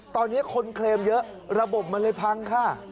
ตอนนี้คนเคลมเยอะระบบมันเลยพังค่ะ